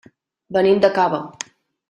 Venim de Cava.